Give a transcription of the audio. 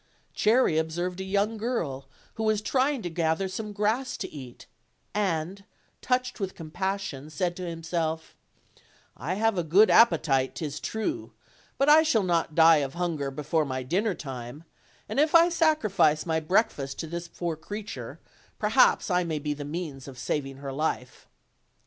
Cherry observed a young girl who was trying to gather some grass to eat, and, touched with compassion, said to himself: "I have a good appetite, 'tis true, but J shall not die of hunger before my dinner time, and if I sacrifice my breakfast to this poor creature, perhaps I may be the means of saving her life."